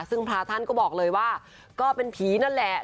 ซึ่งพระท่านก็บอกเลยว่าก็เป็นผีนั่นแหละ